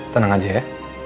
tenang aja ya